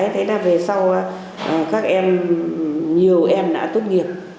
thế là về sau các em nhiều em đã tốt nghiệp